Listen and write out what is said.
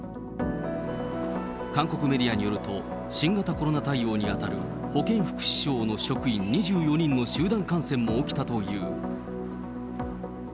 韓国メディアによると、新型コロナ対応に当たる保健福祉省の職員２４人の集団感染も起きたという。